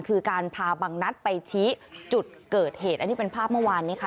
คือการพาบังนัดไปชี้จุดเกิดเหตุอันนี้เป็นภาพเมื่อวานนี้ค่ะ